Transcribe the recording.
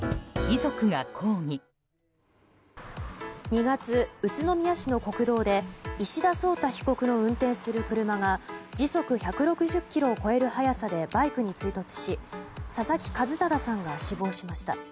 ２月、宇都宮市の国道で石田颯汰被告の運転する車が時速１６０キロを超える速さでバイクに追突し佐々木一匡さんが死亡しました。